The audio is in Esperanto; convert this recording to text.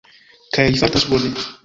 Kaj li fartas bone.